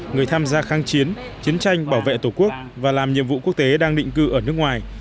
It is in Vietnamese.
người tham gia kháng chiến chiến tranh bảo vệ tổ quốc và làm nhiệm vụ quốc tế đang định cư ở nước ngoài